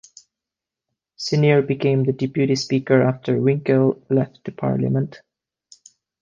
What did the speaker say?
Senior became the deputy speaker after Winkel left the parliament.